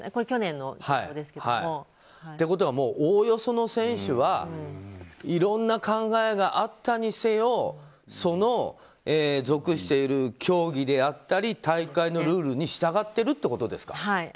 去年のデータですけども。ということはおおよその選手はいろんな考えがあったにせよその属している競技であったり大会のルールに従ってるってことですか。